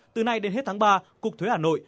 từ nay đến hết tháng ba cục thuế hà nội